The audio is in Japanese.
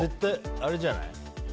あれじゃない？